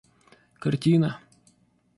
картина